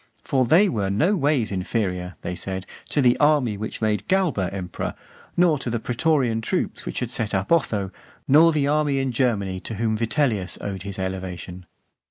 "For they were no ways inferior," they said, "to the army which made Galba emperor, nor to the pretorian troops which had set up Otho, nor the army in Germany, to whom Vitellius owed his elevation."